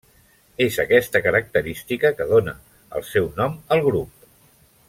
És aquesta característica que dóna el seu nom al grup.